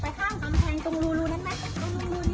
ข้างกำแพงตรงรูนั้นไหมตรงรูนี้